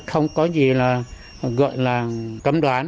không có gì gọi là cấm đoán